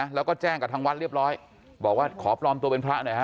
แล้วก็แจ้งกับทางวัดเรียบร้อยบอกว่าขอปลอมตัวเป็นพระหน่อยฮ